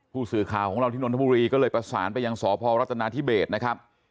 ผู้สื่อข่าวของเราที่นนทบุรีก็เลยประสานไปยังสพรัฐนาธิเบสนะครับ